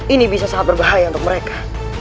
ini bisa sangat berbahaya untuk mereka